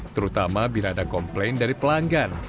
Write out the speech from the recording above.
terutama bila ada komplain dari pelanggan